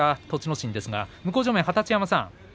心ですが向正面、二十山さん